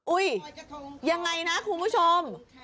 อุ๊ยยังไงนะคุณผู้ชม